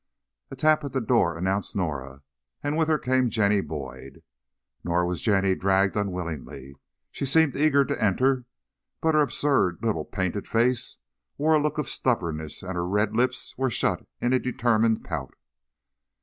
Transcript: A tap at the door announced Norah, and with her came Jenny Boyd. Nor was Jenny dragged unwillingly, she seemed eager to enter, but her absurd little painted face wore a look of stubbornness and her red lips were shut in a determined pout.